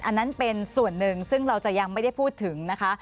อันนั้นเป็นส่วนหนึ่งซึ่งเราจะยังไม่ได้พูดถึงนะคะ